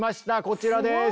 こちらです。